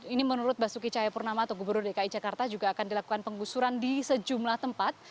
ini menurut basuki cahayapurnama atau gubernur dki jakarta juga akan dilakukan penggusuran di sejumlah tempat